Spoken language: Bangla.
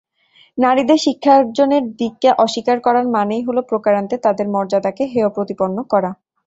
নারীদের শিক্ষার্জনের দিককে অস্বীকার করার মানেই হলো প্রকারান্তরে তাদের মর্যাদাকে হেয়প্রতিপন্ন করা।